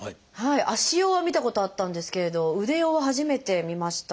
足用は見たことあったんですけれど腕用は初めて見ました。